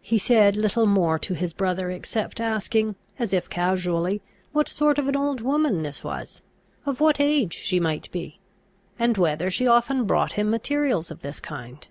He said little more to his brother, except asking, as if casually, what sort of an old woman this was? of what age she might be? and whether she often brought him materials of this kind?